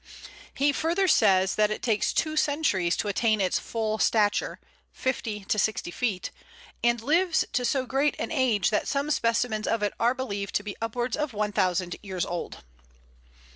He further says that it takes two centuries to attain its full stature (fifty to sixty feet), "and lives to so great an age that some specimens of it are believed to be upwards of 1000 years old."